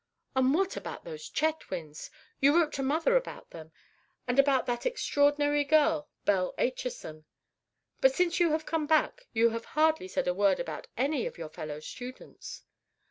And what about those Chetwynds? You wrote to mother about them, and about that extraordinary girl, Belle Acheson; but since you have come back, you have hardly said a word about any of your fellow students."